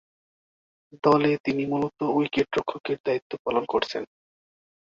দলে তিনি মূলতঃ উইকেট-রক্ষকের দায়িত্ব পালন করেছেন।